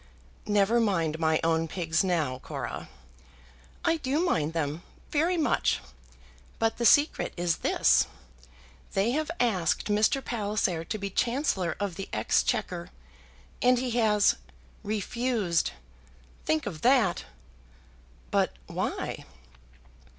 "Never mind my own pigs now, Cora." "I do mind them, very much. But the secret is this. They have asked Mr. Palliser to be Chancellor of the Exchequer, and he has refused. Think of that!" "But why?"